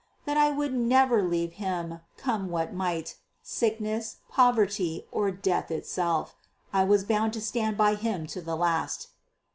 that I would never leave him, come what might, sickness, poverty, or death itself. I was bound to stand by him to the last.